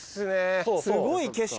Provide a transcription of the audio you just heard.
すごい景色が。